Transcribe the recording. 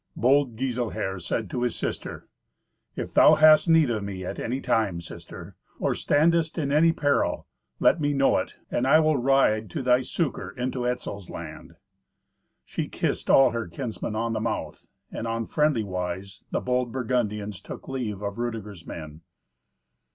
Bold Giselher said to his sister, "If thou hast need of me at any time, sister, or standest in any peril, let me know it, and I will ride to thy succour into Etzel's land." She kissed all her kinsmen on the mouth, and on friendly wise the bold Burgundians took leave of Rudeger's men.